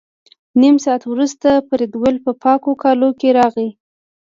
نیم ساعت وروسته فریدګل په پاکو کالو کې راغی